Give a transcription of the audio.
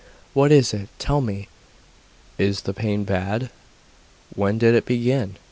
'What is it? tell me! Is the pain bad? When did it begin?